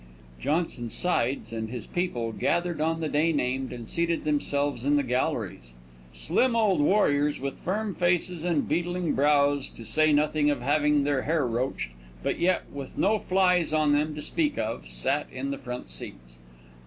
Johnson Sides and his people gathered on the day named, and seated themselves in the galleries. Slim old warriors with firm faces and beetling brows, to say nothing of having their hair roached, but yet with no flies on them to speak of, sat in the front seats.